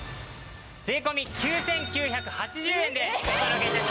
税込９９８０円でお届け致します。